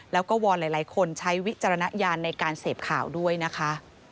แล้วก็วอนหลายคนใช้วิจารณญาณในการเสพข่าวด้วยนะคะ